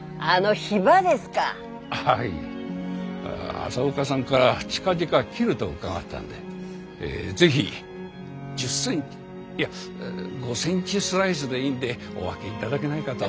朝岡さんから近々切ると伺ってたんで是非１０センチいや５センチスライスでいいんでお分けいただけないかと。